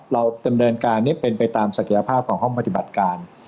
เราเป็นไปตามศักยภาพของห้องปฏิบัติการ